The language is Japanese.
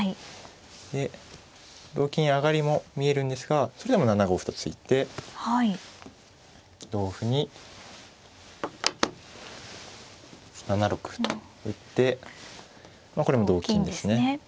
で同金上も見えるんですがそれでも７五歩と突いて同歩に７六歩と打ってこれも同金ですね。